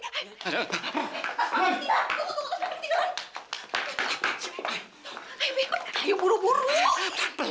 tuh tuh tuh